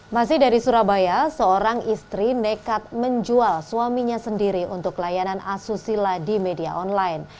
masih dari surabaya seorang istri nekat menjual suaminya sendiri untuk layanan asusila di media online